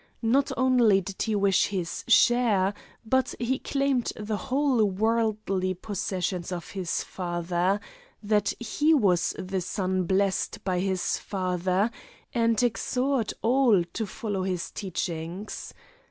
Not only did he wish his share, but he claimed the whole worldly possessions of his father, that he was the son blessed by his father, and exhorted all to follow his teachings.